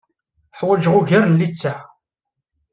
Ḥwaǧeɣ ugar n litteɛ.